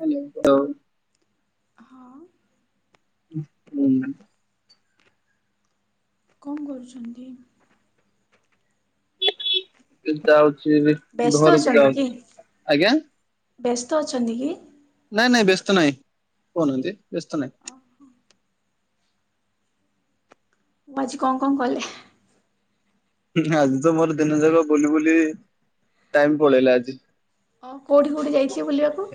[unintelligible] ତ ହଁ ଉଁ ହୁଁ। କଣ କରୁଛନ୍ତି? ଯାଉଛି ଏବେ ବ୍ୟସ୍ତ ଘରକୁ ଅଛନ୍ତି କି ଯାଉଛି। ଆଜ୍ଞା? ବ୍ୟସ୍ତ ଅଛନ୍ତି କି? ନାଇଁ ନାଇଁ, ବ୍ୟସ୍ତ ନାଇଁ, କହୁନାହାଁନ୍ତି, ବ୍ୟସ୍ତ ନାହିଁ। ଓ ଆଉ ଆଜି କଣ କଣ କଲେ? ଆଜି ତ ମୋର ଦିନ ଯାକ ବୁଲି ବୁଲି ଟାଇମ ପଳେଇଲା ଆଜି। ଅ କୋଉଠି କୋଉଠି ଯାଇଥିଲେ ବୁଲିବାକୁ?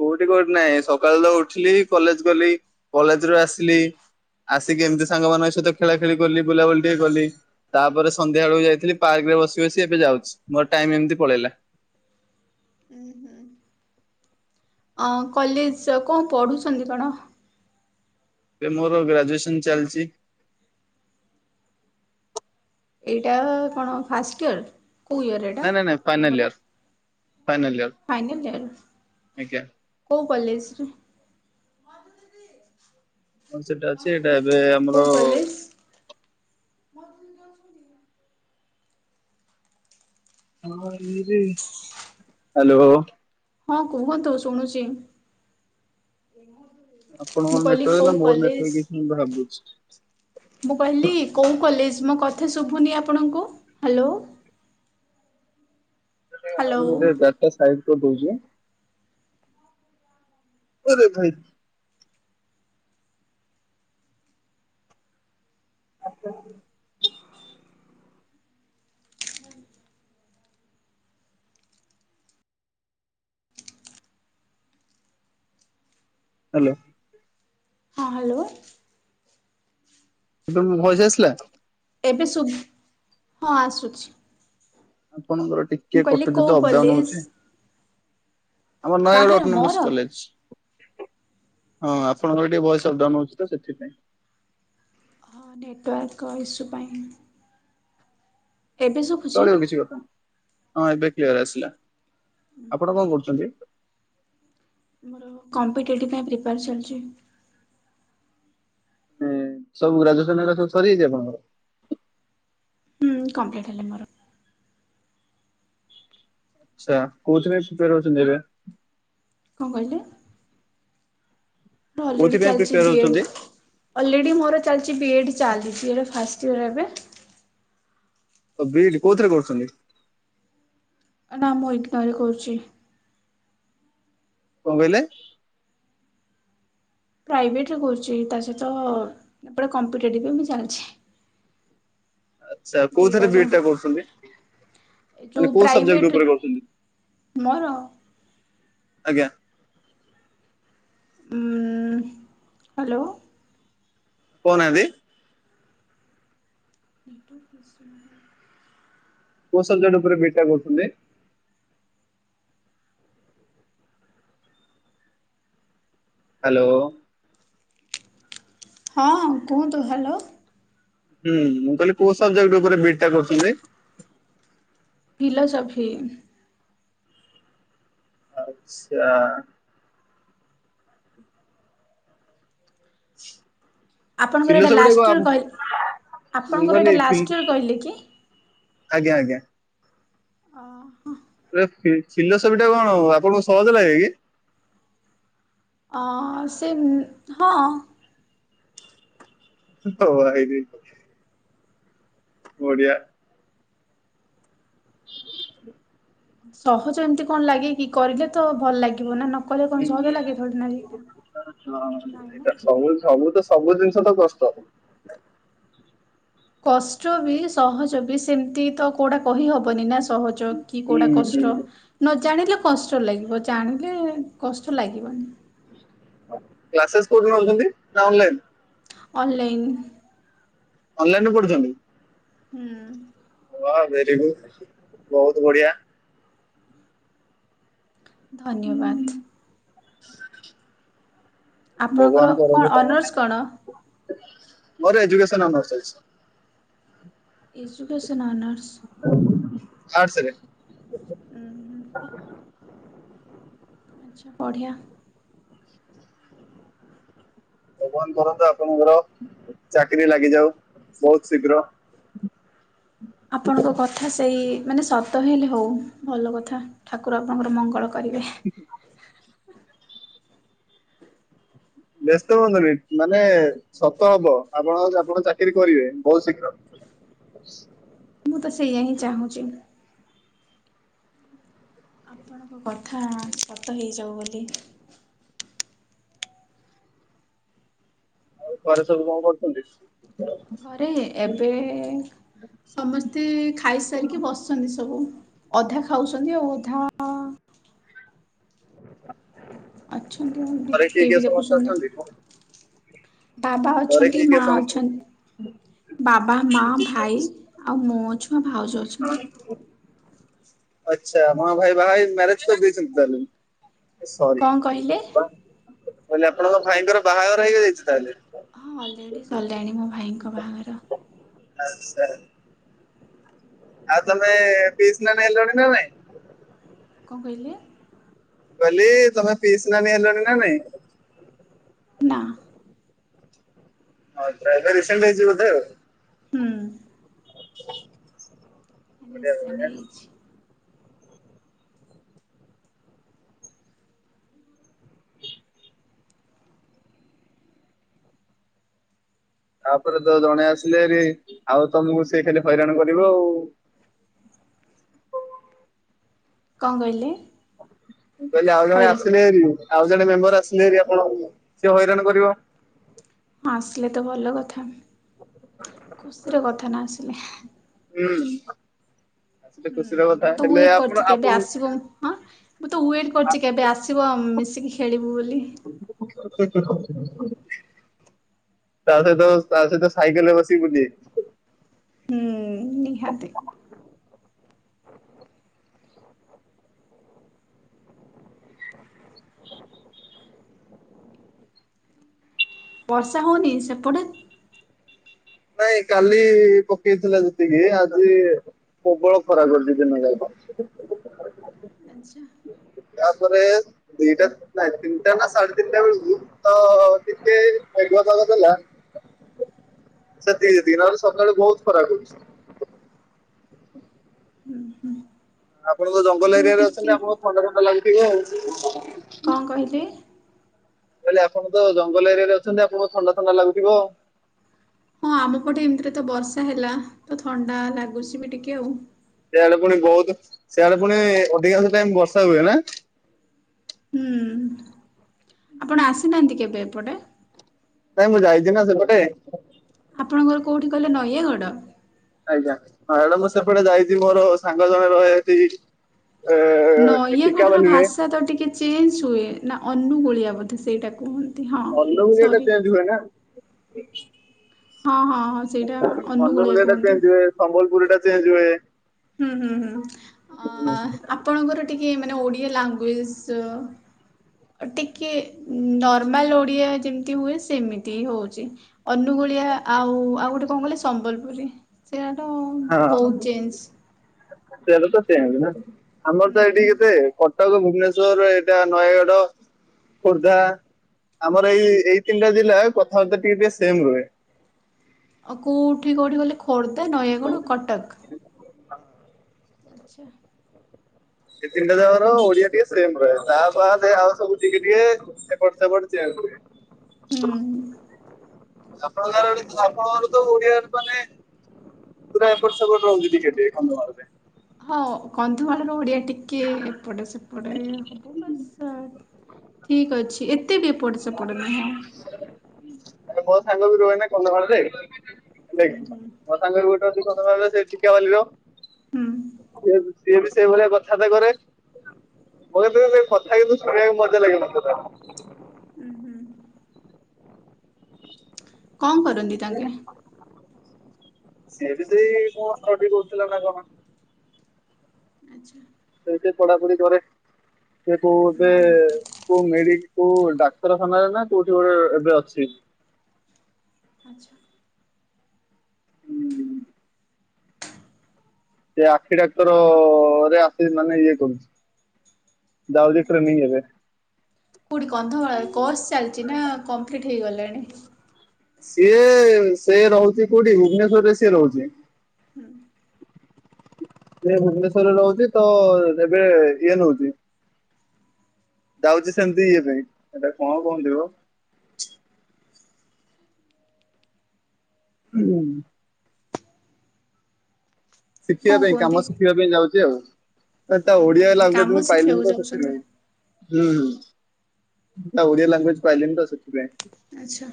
କୋଉଠି କୋଉଠି ନାଇଁ, ସକାଳେ ତ ଉଠିଲି କଲେଜ ଗଲି, କଲେଜରୁ ଆସିଲି ଆସିକି ଏମିତି ସାଙ୍ଗମାନଙ୍କ ସହିତ ଖେଳା ଖେଳି କଲି, ବୁଲାବୁଲି ଟିକେ କଲି ତାପରେ ସନ୍ଧ୍ୟାବେଳକୁ ଯାଇଥିଲି ପାର୍କରେ ବସି ବସି ଏବେ ଯାଉଛି, ମୋର ଟାଇମ ଏମତି ପଳେଇଲା। ଉଁ ହୁଁ। ଅଁ କଲେଜ ଆଉ କଣ ପଢ଼ୁଛନ୍ତି କଣ? ଏବେ ମୋର ଗ୍ରାଜୁଏସନ୍ ଚାଲିଚି। ଏଇଟା କଣ ଫାଷ୍ଟ ଇୟର, କୋଉ ଇୟର ଏଇଟା ଆପଣଙ୍କର? ଫାଇନାଲିୟର। ଫାଇନାଲିୟର? କୋଉ କଲେଜରେ? କଣ ସେଟା ଅଛି ଏଇଟା ଏବେ ଆମର କୋଉ କଲେଜ? ଆମ ଇଏରେ ହାଲୋ। ହଁ କୁହନ୍ତୁ, ଶୁଣୁଚି। ଆପଣଙ୍କର ନେଟୱାର୍କ ନା ମୋର ନେଟୱାର୍କ ଇସ୍ୟୁ ମୁଁ ଭାବୁଛି। ମୁଁ କହିଲି କୋଉ କଲେଜ ମୋ କଥା ଶୁଭୁନି ଆପଣଙ୍କୁ ହାଲୋ? ହ୍ୟାଲୋ [unintelligible] ଗାଡିଟା ସାଇଡ କରିଦଉଛି। ଓରେ ଭାଇ। ହାଲୋ। ହଁ ହାଲୋ। ଏବେ ମୋ ଭଏସ ଆସିଲା? ଏବେ ଶୁଭ ହଁ ଆସୁଛି। ଆପଣଙ୍କର ମୁଁ ଟିକେ କହିଲି କଟୁଚି କୋଉ ତ ଅପଡାଉନ କଲେଜ ହଉଛି। ଆମର ନୟାଗଡ଼ କାହାର ଅଟୋନମସ ମୋର? କଲେଜ ହଁ ଆଚ୍ଛା। ଆପଣଙ୍କର ଟିକେ ଭଏସ୍। ତ ଅପଡାଉନ ହଉଛି ତ ସେଥିପାଇଁ। ହଁ ନେଟୱାର୍କ ଇଶୁ ପାଇଁ। ଏବେ ଶୁ ଚଳିବ କିଛି କଥା ନାହିଁ ହଁ ଏବେ କ୍ଲିୟର ଆସିଲା। ଆପଣ କଣ କରୁଛନ୍ତି? ଯାହା ହଉ କମ୍ପିଟେଟିଭ୍ ପାଇଁ ପ୍ରିପ୍ୟାର ଚାଲିଛି। ସବୁ ଗ୍ରାଜୁଏସନ ଏଗୁରା ସବୁ ସରି ଯାଇଛି ଆଣଙ୍କର? ହୁଁ କମ୍ପ୍ଲିଟ ହେଲେ ମୋର। ଆଚ୍ଛା କୋଉଥିପାଇଁ ପ୍ରିପେୟାର ହଉଛନ୍ତି ଏବେ? କଣ କହିଲେ? ଅଲରେଡି କୋଉଥିପାଇଁ ଚାଲିଛି ପ୍ରିପେୟାର ବି ଏ ହଉଛନ୍ତି? ଡ୍। ଅଲରେଡି ମୋର ଚାଲିଛି ବି ଏ ଡ୍ ଚାଲିଛି ଏବେ ଫାର୍ଷ୍ଟ ଇୟର ଏବେ। ଓ ବି ଇ ଡି କୋଉଥିରେ କରୁଛନ୍ତି? ନା ମୁଁ ଇଗ୍ନୋରେ କରୁଛି। କଣ କହିଲେ? ପ୍ରାଇଭେଟରେ କରୁଛି ତା ସହିତ ଏପଟେ କମ୍ପିଟେଟିଭ୍ ବି ମୁଁ ଚାଲିଛି। ଆଚ୍ଛା ଦିଟା କୋଉଥିରେ ବି ଇ ଯାକ ଡି ଟା କରୁଛନ୍ତି? ଯୋଉ ମାନେ କୋଉ ସବଜେକ୍ଟ ପ୍ରାଇଭେଟ ଉପରେ କରୁଛନ୍ତି? ମୋର ଆଜ୍ଞା। ଉଁ ହାଲୋ। କହୁ ନାହାନ୍ତି। ନେଟୱାର୍କ ଇସୁ ନୁହ। କୋଉ ସବଜେକ୍ଟ ଉପରେ ବି ଇ ଡି ଟା କରୁଛନ୍ତି? ହାଲୋ। ହଁ କୁହନ୍ତୁ ହାଲୋ। ହୁଁ ମୁଁ କହିଲି କୋଉ ସବଜେକ୍ଟ ଉପରେ ବି ଇ ଡି ଟା କରୁଛନ୍ତି? ଫିଲୋସଫି। ଆଚ୍ଛା। ଆପଣଙ୍କର ଏଇଟା ଫିଲୋସଫିଟା ଲାଷ୍ଟ ପା ଇୟର କହି ମୁଁ ଆପଣଙ୍କର ଏଇଟା କହିଲି ଲାଷ୍ଟ ଇୟର ଫିଲ କହିଲେ କି? ଆଜ୍ଞା ଆଜ୍ଞା। ଅ ହଁ। ଏ ଫି-ଫିଲୋସଫିଟା କଣ ଆପଣଙ୍କୁ ସହଜ ଲାଗେ କି? ଅ ସେମ ହଁ। ଓ ଭାଇରେ। ବଢିଆ। ସହଜ ଏମିତି କଣ ଲାଗେ କି କରିଲେ ତ ଭଲ ଲାଗିବ ନା ନ ନ କଲେ କଣ ହୁଁ ସହଜ ହୁଁ ଲାଗେ [unintelligible] ହଁ ନାଇ ନା। ଏଇଟା ସବୁ ସବୁ ତ ସବୁ ଜିନିଷ ତ କଷ୍ଟ। କଷ୍ଟ ବି ସହଜ ବି ସେମିତି ତ କୋଉଟା କହିହବନି ନା ସହଜ କି ହୁଁ କୋଉଟା କଷ୍ଟ। ହୁଁ ନ ଜାଣିଲେ କଷ୍ଟ ଲାଗିବ, ଜାଣିଲେ କଷ୍ଟ ଲାଗିବନି। କ୍ଲାସେସ୍ କୋଉଠି ନୋଉଛନ୍ତି ନା ଅନଲାଇନ? ଅନଲାଇନ୍। ଅନଲାଇନ ରେ ପଢୁଛନ୍ତି? ହୁଁ। ବା ଭେରି ଗୁଡ ବହୁତ ବଢିଆ। ଧନ୍ୟବାଦ। [inaudible] ଭଗବାନ ଆପଣଙ୍କର କଣ କରନ୍ତୁ ତମ ଅନର୍ସ କଣ? ମୋର ଏଜୁକସନ ଅନର୍ଷ ଅଛି। Education honours. ଆର୍ଟ୍ସ ରେ ହୁଁ। [inaudible] ଆଚ୍ଛା ବଢ଼ିଆ। ଭଗବାନ କରନ୍ତୁ ଆପଣଙ୍କର ଚାକିରି ଲାଗିଯାଉ ବହୁତ ଶୀଘ୍ର। ଆପଣଙ୍କ କ କଥା ସେଇ ମାନେ ସତ ହେଲେ ହଉ ଭଲ କଥା। ଠାକୁର ଆପଣଙ୍କର ମଙ୍ଗଳ କରିବେ। [inaudible] ବ୍ୟସ୍ତ ହୁଅନ୍ତୁନି, ମାନେ ସତ ହବ ଆପଣଙ୍କ ଆପଣ ଚାକିରି କରିବେ ବହୁତ ଶୀଘ୍ର। ମୁଁ ତ ସେଇଆ ହିଁ ଚାହୁଁଛି। ଆପଣଙ୍କ କଥା ସତ ହେଇଯାଉ ବୋଲି ଆଉ ଘରେ ସବୁ କଣ କରୁଛନ୍ତି? ଘରେ ଏବେ ସମସ୍ତେ ଖାଇସାରିକି ବସ ଅଛନ୍ତି ସବୁ ଅଧା ଖାଉଛନ୍ତି ଆଉ ଅଧା ଅଛନ୍ତି ଘରେ କିଏ କିଏ ଟିଭି ସମସ୍ତେ ଦେଖୁଛନ୍ତି। ଅଛନ୍ତି? ବାବା ଘରେ ଅଛନ୍ତି କିଏ କିଏ ମା ସମସ୍ତେ ଅଛ ଅଛନ୍ତି? ବାବା, ମା, ଭାଇ ଆଉ ମୁଁ ଅଛୁ ଭାଉଜ ଅଛନ୍ତି। ଆଚ୍ଛା ଆପଣଙ୍କ ଭାଇ ବାହା ମ୍ୟାରେଜ କରି ଦେଇଛନ୍ତି ତାହେଲେ? ଏ ସରି କଣ କହିଲେ? ମୁଁ କହିଲି ଆପଣଙ୍କ ଭାଇଙ୍କର ବାହାଘର ହେଇ ଯାଇଛି ତାହେଲେ? ହଁ ଅଲରେଡ଼ି ସରିଲାଣି ମୋ ଭାଇଙ୍କ ବାହାଘର। ହଁ ସେ ଆଉ ତମେ ପିଇଶି ନାନୀ ହେଲଣି ନା ନାଇଁ? କଣ କହିଲେ? କହିଲି ତମେ ପିଇସୀ ନାନୀ ହେଲଣି ନା ନାଇଁ? ନା। ହଉ ତ ଏବେ ରିସେଣ୍ଟ ହେଇଚି ବୋଧେ? ହୁଁ [inaudible] ରିସେଣ୍ଟ ବଢିଆ। ହେଇଛି। ତାପରେ ତ ଜଣେ ଆସିଲେ ବି, ଆଉ ତମକୁ ସେ ଖାଲି ହଇରାଣ କରିବ ଆଉ। କଣ କହିଲେ? ମୁଁ କହିଲି ଆଉ ଜଣେ ହଇରା ଆସିଲେ ହେରି ଆଉ ଜଣେ ମେମ୍ବର ଆସିଲେ ହେରି ଆପଣଙ୍କୁ ସିଏ ହଇରାଣ କରିବ। ହଁ ଆସିଲେ ତ ଭଲ କଥା ଖୁସିର କଥା ନା ଆସିଲେ। ହୁଁ। ଆସିଲେ ହୁଁ ଖୁସିର କଥା ମୁଁ ତ ହେଲେ ୱେଟ ଆପଣ କରିଛି କେବେ ଆପଣ ଆସିବ ଉଁ ହାଁ। ମୁଁ ତ ୱେଟ୍ କରିଛି କେବେ ଆସିବ ଆ ମିଶିକି ଖେଳିବୁ ବୋଲି। ତା ସହିତ ତା ସହିତ ସାଇକେଲରେ ବସିିକି ବୁଲିବେ? ହୁଁ ନିହାତି। ବର୍ଷା ହଉନି ସେପଟେ। ନାଇଁ କାଲି ପକେଇଥିଲା ଯେତିକି ଆଜି ପ୍ରବଳ ଖରା କରିଛି ଦିନ ଯାକ। ଆଚ୍ଛା ତାପରେ ଦୁଇଟା ନାାଇଁ ତିନଟା ନା ସାଢ଼େତିନଟା ବେଳକୁ ତ ଟିକେ ମେଘୁଆ ପାଗ କଲା। ସେତିକି ଜେତିକି ନହେଲେ ସକାଳୁ ବହୁତ ଖରା ରହୁଛି। ହୁଁ ହୁଁ ଆପଣ ତ ଜଙ୍ଗଲ ଏରିଆରେ ଅଛନ୍ତି ଆପଣଙ୍କୁ ଥଣ୍ଡା ଥଣ୍ଡା ଲାଗୁଥିବ ଆଉ। କଣ କହିଲେ? ମୁଁ କହିଲି ଆପଣ ତ ଜଙ୍ଗଲ ଏରିଆ ରେ ଅଛନ୍ତି ଆପଣଙ୍କୁ ଥଣ୍ଡା ଥଣ୍ଡା ଲାଗୁଥିବ। ହଁ ଆମପଟେ ଏମିତିରେ ତ ବର୍ଷା ହେଲା ତ ଥଣ୍ଡା ଲାଗୁଛି ବି ଟିକେ ଆଉ। ସେଆଡେ ପୁଣି ବହୁତ ସେଆଡେ ପୁଣି ଅଧିକାଂଶ ଟାଇମ ବର୍ଷା ହୁଏ ନା? ହୁଁ ଆପଣ ଆସିନାହାନ୍ତି କେବେ ଏପଟେ? ନାଇଁ ମୁଁ ଯାଇଛିି ନା ସେପଟେ। ଆପଣଙ୍କର କୋଉଠି କହିଲେ ନୟାଗଡ। ଆଜ୍ଞା ଏଡା ମୁଁ ସେପଟେ ଯାଇଛି ମୋର ସାଙ୍ଗ ଜଣେ ରହେ ହେଠି। ନୟାଗଡ଼ ର ଭାଷା ତ ଟିକେ ଚେଞ୍ଜ ହୁଏ ନା ଅନୁଗୁଳିଆ ବୋଧେ ସେଇଟା କୁହନ୍ତି। ହଁ ଅନୁଗୁଳିଆ ଟା ସରି। ଚେଞ୍ଜ ହୁଏ ନା [inaudible] ହଁ ହଁ ହଁ ସେଇଟା ଅନୁଗୋଳିଆ ଅନୁଗୁଳିଆ ଟା କୁହନ୍ତି। ଚେଞ୍ଜ ହୁଏ ସମ୍ବଲପୁରୀ ଟା ଚେଞ୍ଜ ହୁଏ। ହୁଁ ହୁଁ ହୁଁ ଆପଣଙ୍କର ଟିକେ ମାନେ ଓଡିଆ ଲାଙ୍ଗୁଏଜ। ଟିକେ ନର୍ମାଲ ଓଡିଆ ଯେମିତି ହୁଏ ସେମିତି ହି ହଉଛି। ଅନୁଗୁଳିଆ ଆଉ ଆଉ ଗୋଟେ କଣ କଲେ ସମ୍ବଲପୁରୀ ସେଇଟାର ବହୁତ ଚେଞ୍ଜ। ସେଟ ତ ସେମ୍ ନା ଆମର ତ ଏଇଠି ହୁଁ। କେତେ? କଟକ ଭୁବନେଶ୍ୱର ଏଇଟା ନୟାଗଡ଼। ଖୋର୍ଦ୍ଧା ଆମର ଏଇ ଏଇ ତିନିଟା ଜିଲ୍ଲା କଥାବାର୍ତ୍ତା ଟିକେ ଟିକେ ସେମ୍ ରୁହେ। ଆଉ କେଉଁଠି କେଉଁଠି ଗଲେ ଖୋର୍ଦ୍ଧା ନୟାଗଡ଼ କଟକ। ହଁ ଆଚ୍ଛା ଏ ତିନିଟା ଜାଗା ର ଓଡିଆ ଟିକେ ସେମ ରହେ ତା ବାଦେ ଆଉ ସବୁ ଟିକେ ଟିକେ ଏ ସେପଟେ ସେପଟେ ଚେଞ୍ଜ ହୁଏ। ହୁଁ ଆପଣଙ୍କର ଆପଣଙ୍କର ତ ଓଡିଆରେ ମାନେ ପୁରା ଏପଟ ସେପଟ ରହୁଛି ଟିକେ ଟିକେ କନ୍ଧମାଳରେ। ହଁ କନ୍ଧମାଳର ଓଡିଆ ଟିକେ ଏପଟେ ସେପଟେ ହବ ବସ। ଠିକ ଅଛି ଏତେ ବି ଏପଟ ସେପଟେ ନୁହଁ। ଆରେ ମୋ ସାଙ୍ଗ ବି ରୁହେ ନା କନ୍ଧମାଳରେ ଦେଖ ହୁଁ ହୁଁ। ସାଙ୍ଗରେ ଗୋଟେ ଅଛି କନ୍ଧମାଳରେ ସେ ଟିକାବାଲି ର। ହୁଁ ସିଏ ସିଏ ବି ସେଇ ଭଳିଆ କଥାବାର୍ତ୍ତା କରେ। ମୋତେ [unintelligible] ସେ କଥା କିନ୍ତୁ ଶୁିଣିବାକୁ ମଜା ଲାଗେ। ଉଁ ହୁଁ। କଣ କରନ୍ତି ତାଙ୍କେ? ସିଏ ବି ସେଇ କଣ ଷ୍ଟଡି କରୁଥିଲା ନା କଣ ଆଚ୍ଛା ସେଇଠୀ ପଢାପଢି କରେ ସେଏ କୋଉ ଉଁ ଏବେ। ହୁଁ କୋଉ ମେଡି କୋଉ ଡାକ୍ତରଖାନାରେ ନା କୋଉଠି ଗୋଟେ ଏବେ ଅଛି। ଆଚ୍ଛା। ହୁଁ ସେ ଆଖି ଡାକ୍ତରରେ ଆସି ମାନେ ଇଏ କରୁଛି। ଯାଉଚି ଟ୍ରେନିଂ ଏବେ। କୋଠି କନ୍ଧମାଳ କୋର୍ସ ଚାଲିଛି ନା କମ୍ପ୍ଲିଟ ହେଇଗଲାଣି? ସିଏ ସେ ରହୁଛି କୋଉଠି? ଭୁବନେଶ୍ୱରରେ ସିଏ ରହୁଛି। ହୁଁ। ସିଏ ଭୁବନେଶ୍ଵରରେ ରହୁଛି ତ ଏବେ ଇଏ ନଉଛି। ଯାଉଛି ସେମିତି ଇଏ ପାଇଁ, ସେଟା କଣ କୁହନ୍ତିବ? ହୁଁ ଶିଖିବା କଣ ପାଇଁ, କୁହନ୍ତି? କାମ ଶିଖିବା ପାଇଁ ଯାଉଛି ଆଉ। ନା ତା ଉଁ ହୁଁ। ଓଡିଆ କାମ ଲାଙ୍ଗୁଏଜ ମୁଁ ପାଇଲିନି ଶିଖିବାକୁ ତ, ଯାଉଛନ୍ତି? ସେଥିପାଇଁ। ହୁଁ ଉଁ, ତା ଓଡ଼ିଆ ଲାଙ୍ଗୁଏଜ ପାଇଲିନି ତ ସେଥିପାଇଁ। ଆଛା।